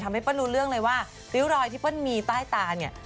เปิ้ลรู้เรื่องเลยว่าริ้วรอยที่เปิ้ลมีใต้ตาเนี่ย